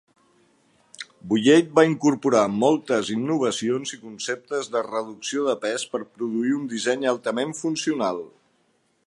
Bulleid va incorporar moltes innovacions i conceptes de reducció de pes per produir un disseny altament funcional.